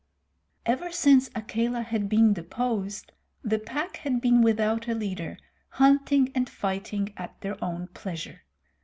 Ever since Akela had been deposed, the Pack had been without a leader, hunting and fighting at their own pleasure.